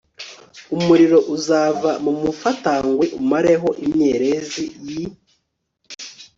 umuriro uzava mu mufatangwe umareho imyerezi y i